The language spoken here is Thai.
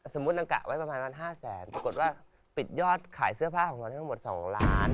สมมุตินังกะไว้ประมาณ๕แสนปรากฏว่าปิดยอดขายเสื้อผ้าของนังก็๒ล้าน